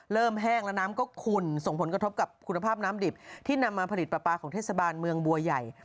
แห้งและน้ำก็ขุ่นส่งผลกระทบกับคุณภาพน้ำดิบที่นำมาผลิตปลาปลาของเทศบาลเมืองบัวใหญ่